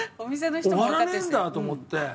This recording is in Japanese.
終わらねえんだ！と思って。